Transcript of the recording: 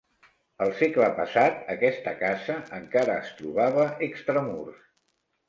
Al segle passat, aquesta casa encara es trobava extramurs.